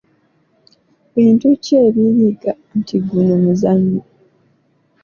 Bintu ki ebiraga nti guno muzannyo?